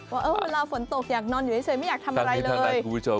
ว่าเวลาฝนตกอยากนอนอยู่เฉยไม่อยากทำอะไรเลยคุณผู้ชม